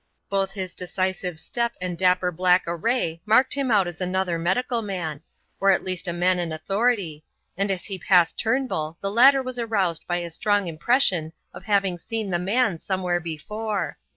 Both his decisive step and dapper black array marked him out as another medical man, or at least a man in authority, and as he passed Turnbull the latter was aroused by a strong impression of having seen the man somewhere before.